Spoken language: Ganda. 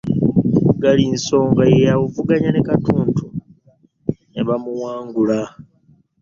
Galisonga ye yavuganya ne Katuntu ne bamuwangula